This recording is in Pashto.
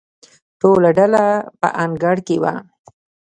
ټوله ډله په انګړ کې وه.